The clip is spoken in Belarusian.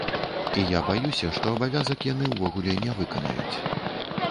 І я баюся, што абавязак яны ўвогуле не выканаюць.